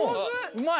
うまい。